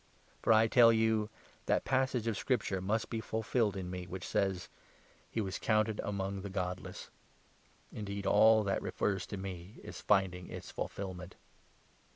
For, I tell you, that passage of Scripture 37 must be fulfilled in me, which says —' He was counted among the godless '; indeed, all that refers to me is finding its fulfilment."